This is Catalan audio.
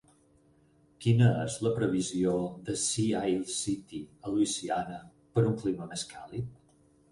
quina és la previsió de Sea Isle City, a Louisiana, per un clima més càlid?